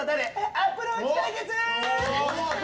アプローチ対決！